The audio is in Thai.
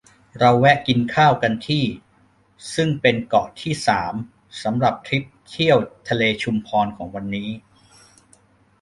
เราแวะกินข้าวกันที่ ซึ่งเป็นเกาะที่ สาม สำหรับทริปเที่ยวทะเลชุมพรของวันนี้